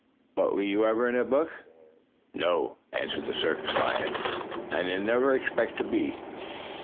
But were you ever in a book?" "No," answered the circus lion, "and I never expect to be."